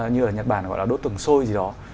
như ở nhật bản gọi là đốt tường xôi gì đó